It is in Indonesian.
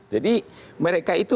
jadi mereka itu